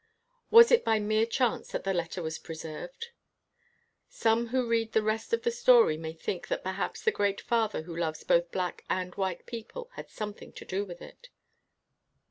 Was it by mere chance that the letter was preserved"? Some who read the rest of the story may think that perhaps the Great Father who 3 WHITE MAN OF WORK loves both black and white people had some thing to do with it.